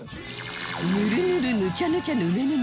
「ぬるぬる」「ぬちゃぬちゃ」「ぬめぬめ」